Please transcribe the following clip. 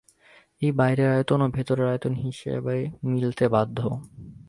এই বাইরের আয়তন ও ভেতরের আয়তন হিসাবে মিলতে বাধ্য।